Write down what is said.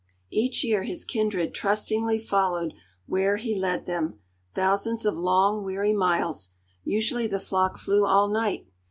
Each year his kindred trustingly followed where he led them, thousands of long, weary miles. Usually the flock flew all night.